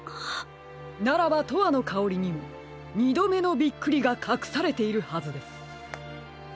ならば「とわのかおり」にもにどめのびっくりがかくされているはずです。